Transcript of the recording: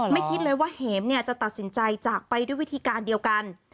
คิดเลยว่าเห็มจะตัดสินใจจากไปด้วยวิธีการเดียวกัน